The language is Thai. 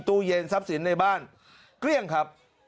ตู้เย็นทรัพย์สินในบ้านเกลี้ยงครับ